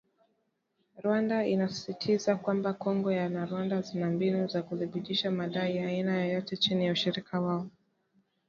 Rwanda inasisitiza kwamba “Kongo na Rwanda zina mbinu za kuthibitisha madai ya aina yoyote chini ya ushirika wao"